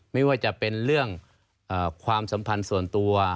ไม่ว่าจะเป็นเรื่องความสัมพันธ์ส่วนตัว